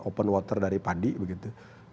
open water dari padi begitu